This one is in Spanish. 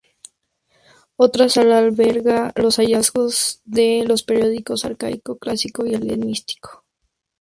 Otra sala alberga los hallazgos de los periodos arcaico, clásico y helenístico.